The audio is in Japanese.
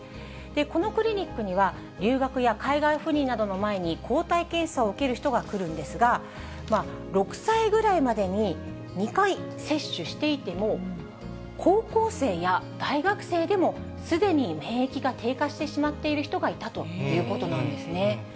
このクリニックには、留学や海外赴任などの前に抗体検査を受ける人が来るんですが、６歳ぐらいまでに２回接種していても、高校生や大学生でも、すでに免疫が低下してしまっている人がいたということなんですね。